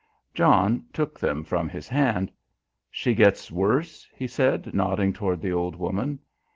John took them from his hand. "She gets worse?" he said nodding towards the old woman.